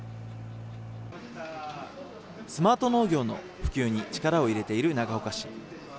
スマート農業の普及に力を入れている長岡市。